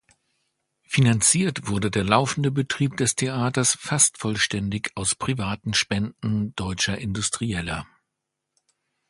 Finanziert wurde der laufende Betrieb des Theaters fast vollständig aus privaten Spenden deutscher Industrieller.